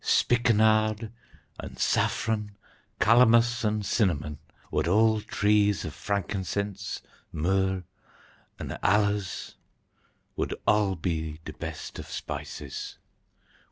Spikenard an saffron, calamus an cinnamon, wud all trees of frankincense, myrrh, an allers, wud all de best of spices.